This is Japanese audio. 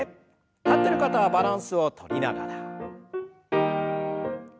立ってる方はバランスをとりながら。